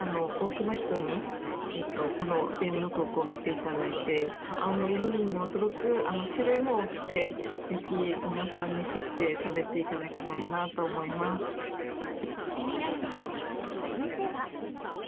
多くの人にこのゲームの投稿を見ていただいて、青森のりんごはすごく種類も多くて、ぜひ、皆さんに知って、気になるミダシ、続いては。